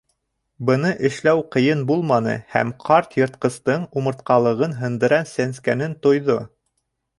Быны эшләү ҡыйын булманы һәм ҡарт йыртҡыстың умыртҡалығын һындыра сәнскәнен тойҙо.